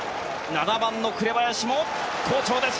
７番の紅林も好調です。